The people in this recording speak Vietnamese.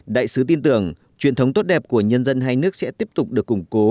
đại sứ tin tưởng truyền thống tốt đẹp của nhân dân hai nước sẽ tiếp tục được củng cố